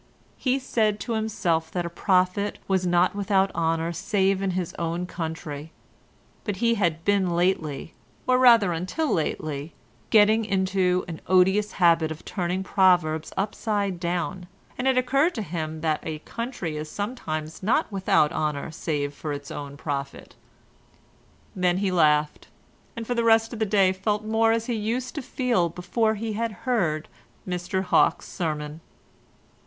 He said to himself that a prophet was not without honour save in his own country, but he had been lately—or rather until lately—getting into an odious habit of turning proverbs upside down, and it occurred to him that a country is sometimes not without honour save for its own prophet. Then he laughed, and for the rest of the day felt more as he used to feel before he had heard Mr Hawke's sermon.